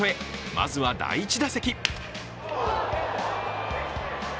まずは第１打席。